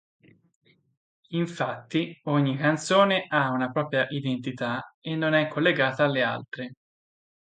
Infatti ogni canzone ha una propria identità e non è collegata alle altre.